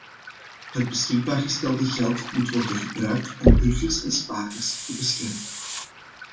Het beschikbaar gestelde geld moet worden gebruikt om burgers en spaarders te beschermen.